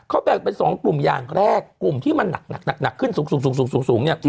เขาแบ่งเป็นสองกลุ่มอย่างแรกกลุ่มที่มันหนักหนักหนักขึ้นสูงสูงสูงสูงสูงสูงเนี่ย